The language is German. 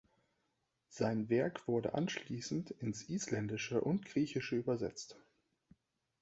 Sein Werk wurde anschließend ins Isländische und Griechische übersetzt.